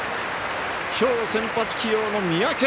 きょう先発起用の三宅。